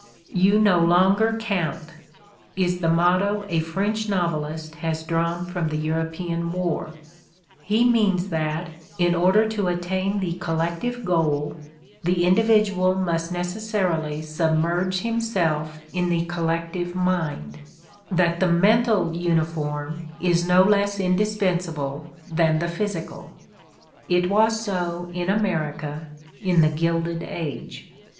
"You no longer count" is the motto a French novelist has drawn from the European war : he means that, in order to attain the collective goal, the individual must neces sarily submerge himself in the collective mind, that the mental uniform is no less indispensable than the physi cal. It was so in America, in the Gilded Age.